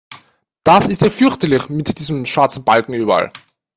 Das ist ja fürchterlich mit diesen schwarzen Balken überall!